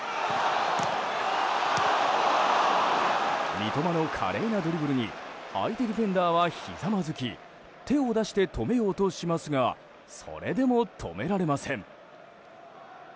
三笘の華麗なドリブルに相手ディフェンダーはひざまずき手を出して止めようとしますがそれでも止められません。